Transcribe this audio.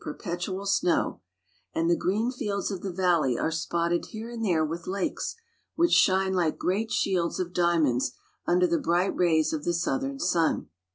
perpetual snow ; and the green fields of the valley are spotted here and there with lakes, which shine like great shields of diamonds under the bright rays of the southern sun.